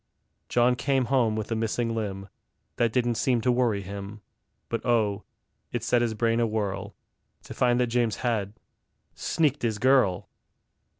John came home with a missing limb; That didn't seem to worry him; But oh, it set his brain awhirl To find that James had sneaked his girl!